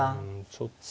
ちょっと。